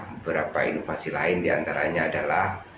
beberapa inovasi lain diantaranya adalah